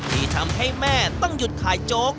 ที่ทำให้แม่ต้องหยุดขายโจ๊ก